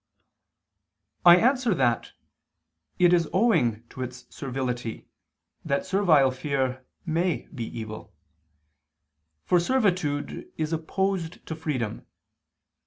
I answer that, It is owing to its servility that servile fear may be evil. For servitude is opposed to freedom.